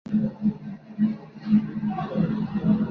Lanzaron una canción, titulada "Never Give Up".